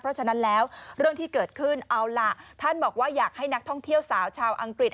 เพราะฉะนั้นแล้วเรื่องที่เกิดขึ้นเอาล่ะท่านบอกว่าอยากให้นักท่องเที่ยวสาวชาวอังกฤษ